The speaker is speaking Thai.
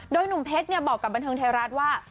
โดยหนุ่มเพชรบอกกับบันเทิงไทยรัฐว่า